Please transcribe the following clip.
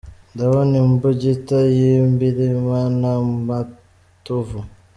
Ndabona imbugita y’i Mbilima na Matovu